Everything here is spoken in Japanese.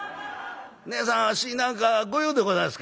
『ねえさんあっしに何か御用でございますか？』